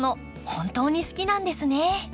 本当に好きなんですね。